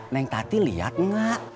neng tati lihat enggak